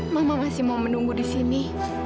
mama masih mau menunggu di sini